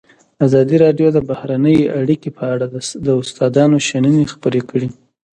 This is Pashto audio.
ازادي راډیو د بهرنۍ اړیکې په اړه د استادانو شننې خپرې کړي.